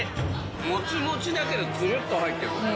もちもちだけどツルっと入ってくる。